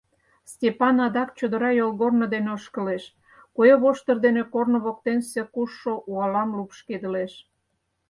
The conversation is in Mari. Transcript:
Степан адак чодыра йолгорно дене ошкылеш, куэ воштыр дене корно воктенсе кушшо уалам лупшкедылеш.